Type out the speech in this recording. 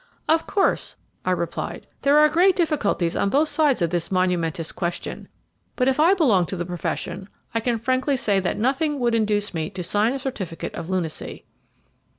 "Of course," I replied, "there are great difficulties on both sides of this momentous question; but if I belonged to the profession, I can frankly say that nothing would induce me to sign a certificate of lunacy."